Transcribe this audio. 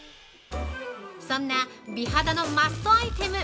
◆そんな美肌のマストアイテム